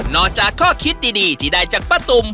อกจากข้อคิดดีที่ได้จากป้าตุ๋ม